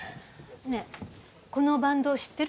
ねえこのバンド知ってる？